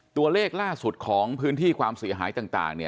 ตัวเลขล่าสุดของพื้นที่ความเสียหายต่าง